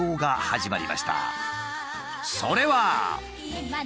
それは。